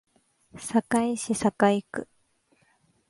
堺市堺区